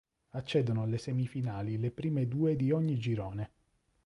Accedono alle semifinali le prime due di ogni girone.